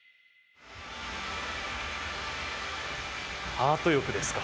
アート浴ですか。